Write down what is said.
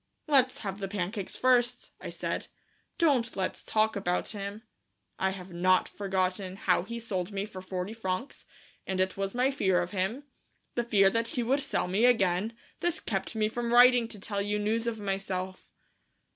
"Let's have the pancakes first," I said; "don't let's talk about him. I have not forgotten how he sold me for forty francs, and it was my fear of him, the fear that he would sell me again, that kept me from writing to tell you news of myself."